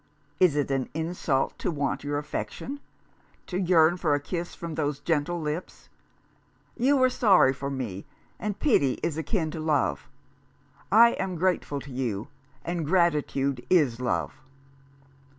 " Is it an insult to want your affection ; to yearn for a kiss from those gentle lips ? You were sorry for me, and pity is akin to love. I am grateful to you, and gratitude is love."